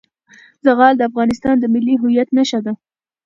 زغال د افغانستان د ملي هویت نښه ده.